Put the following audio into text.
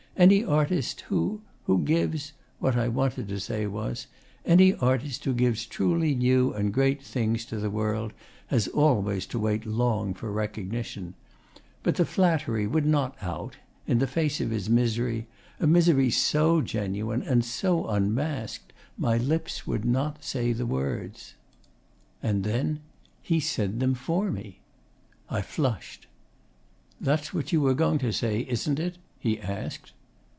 Any artist who who gives ' What I wanted to say was, 'Any artist who gives truly new and great things to the world has always to wait long for recognition'; but the flattery would not out: in the face of his misery, a misery so genuine and so unmasked, my lips would not say the words. And then he said them for me. I flushed. 'That's what you were going to say, isn't it?' he asked.